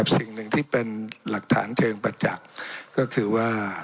สิ่งหนึ่งที่เป็นหลักฐานเชิงประจักษ์ก็คือว่า